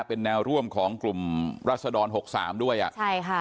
เป็นแนวร่วมของกลุ่มรัศดรหกสามด้วยอ่ะใช่ค่ะ